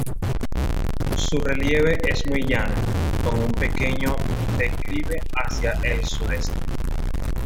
Su relieve es muy llano, con un pequeño declive hacia el sudeste.